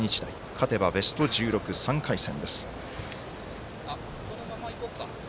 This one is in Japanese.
勝てばベスト１６、３回戦です。